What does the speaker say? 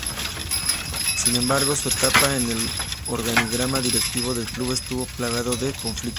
Sin embargo, su etapa en el organigrama directivo del club estuvo plagado de conflictos.